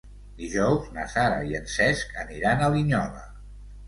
Dijous na Sara i en Cesc aniran a Linyola.